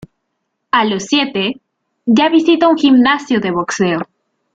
A los siete, ya visita un gimnasio de boxeo.